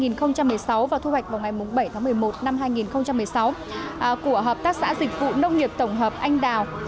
tôi đã thu hoạch vào ngày bảy tháng một mươi một năm hai nghìn một mươi sáu của hợp tác xã dịch vụ nông nghiệp tổng hợp anh đào